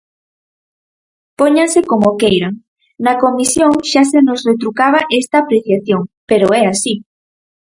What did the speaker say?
Póñanse como queiran, na comisión xa se nos retrucaba esta apreciación, pero é así.